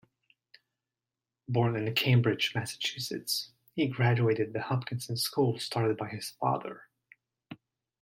Born in Cambridge, Massachusetts, he graduated the Hopkinson School started by his father.